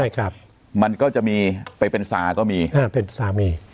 ใช่ครับมันก็จะมีไปเป็นสาก็มีอ่าเป็นสามี